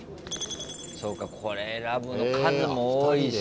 そうかこれ選ぶの数も多いし。